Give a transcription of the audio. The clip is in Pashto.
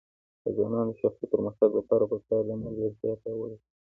د ځوانانو د شخصي پرمختګ لپاره پکار ده چې ملګرتیا پیاوړې کړي.